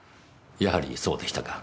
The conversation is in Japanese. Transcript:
やはりそうでしたか。